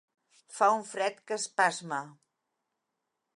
Fa un fred que espasma.